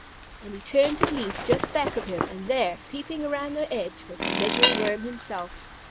And he turned to a leaf just back of him, and there, peeping around the edge, was the Measuring Worm himself.